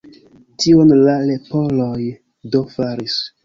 Tion la leporoj do faris.